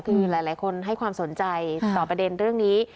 คือหลายคนให้ความสนใจต่อประเด็นเรื่องนี้